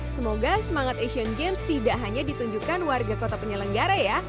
semoga semangat asian games tidak hanya ditunjukkan warga kota penyelenggara ya